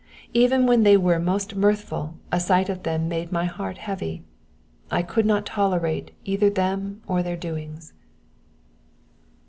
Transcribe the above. Even when they were most mirthful a sight of them made my heart heavy ; I could not tolerate either them or their doings.